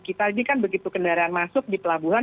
kita ini kan begitu kendaraan masuk di pelabuhan